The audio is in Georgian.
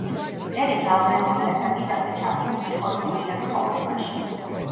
ტერეზა ადრეული ასაკიდანვე ჩართული იყო სულიერ ცხოვრებაში.